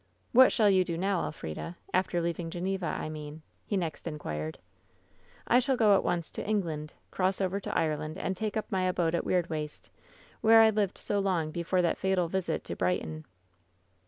" 'What shall you do now. Elf rida ?— after leaving Geneva, I mean V he next inquired. " 'I shall go at once to England, cross over to Ireland, and take up my abode at Weirdwaste, where I lived so long before that fatal visit to Brighton.'